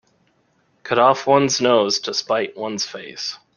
Cut off one's nose to spite one's face.